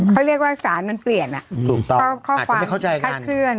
เขาเรียกว่าสารมันเปลี่ยนอ่ะถูกตอบอาจจะไม่เข้าใจกันค่าเชื่อน